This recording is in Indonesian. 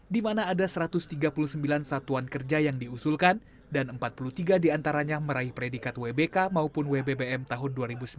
di mana ada satu ratus tiga puluh sembilan satuan kerja yang diusulkan dan empat puluh tiga diantaranya meraih predikat wbk maupun wbbm tahun dua ribu sembilan belas